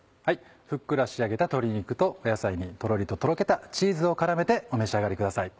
ふっくら仕上げた鶏肉と野菜にとろりととろけたチーズを絡めてお召し上がりください。